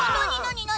何？